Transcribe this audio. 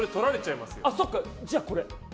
そっか、じゃあこれ。